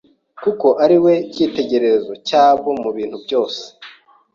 kuko ari we cyitegererezo cyabo mu bintu byose.